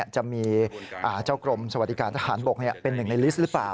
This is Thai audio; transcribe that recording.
จะมีเจ้ากรมสวัสดิการทหารบกเป็นหนึ่งในลิสต์หรือเปล่า